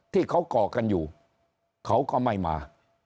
ที่เขาก่อกันอยู่เขาก็ไม่มา